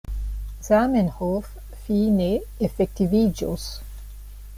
Zamenhof fine efektiviĝos.